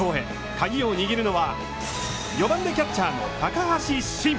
鍵を握るのは４番でキャッチャーの高橋慎。